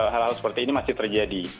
hal hal seperti ini masih terjadi